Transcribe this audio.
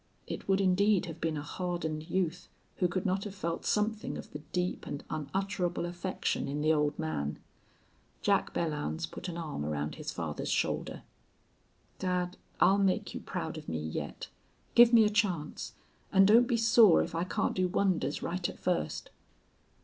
It would indeed have been a hardened youth who could not have felt something of the deep and unutterable affection in the old man. Jack Belllounds put an arm around his father's shoulder. "Dad, I'll make you proud of me yet. Give me a chance. And don't be sore if I can't do wonders right at first."